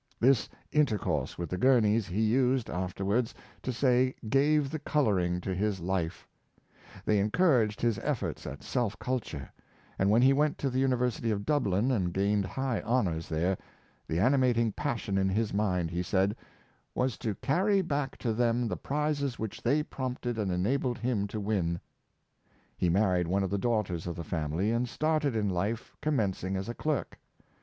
This intercourse with the Gurneys, he used after wards to say gave the coloring to his life They en couraged his efforts at self culture; and when he went to the University of Dublin and gained high honors there, the animating passion in his mind, he said, " was to carry back to them the prizes which they prompted and enabled him to win. " He married one of the daughters of the family and started in life, commenc ing as a clerk.